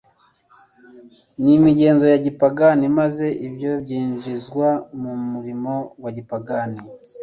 n'imigenzo ya gipagani maze ibyo byinjizwa mu murimo w'iby'idini.